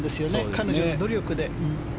彼女の努力で。